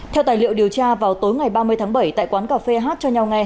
theo tài liệu điều tra vào tối ngày ba mươi tháng bảy tại quán cà phê hát cho nhau nghe